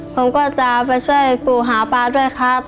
ผมก็จะไปช่วยปู่หาปลาด้วยครับ